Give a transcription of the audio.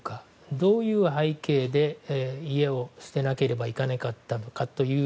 どういう背景で家を捨てなければいけなかったのかという。